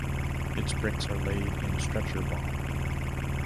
Its bricks are laid in stretcher bond.